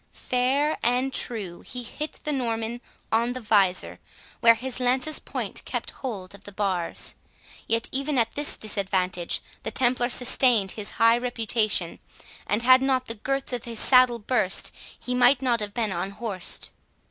Fair and true he hit the Norman on the visor, where his lance's point kept hold of the bars. Yet, even at this disadvantage, the Templar sustained his high reputation; and had not the girths of his saddle burst, he might not have been unhorsed.